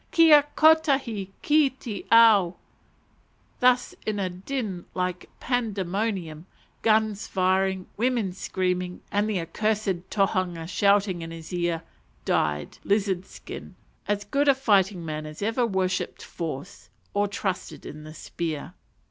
Kia kotahi ki te ao! Thus in a din like pandemonium, guns firing, women screaming, and the accursed tohunga shouting in his ear, died "Lizard Skin," as good a fighting man as ever worshipped force or trusted in the spear.